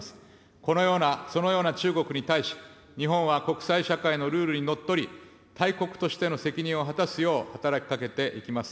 このような、そのような中国に対し、日本は国際社会のルールにのっとり、大国としての責任を果たすよう働きかけていきます。